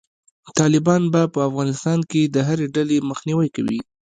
طالبان به په افغانستان کې د هري ډلې مخنیوی کوي.